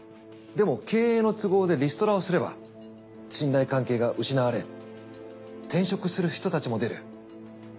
でも経営の都合でリストラをすれば信頼関係が失われ転職する人たちも出る。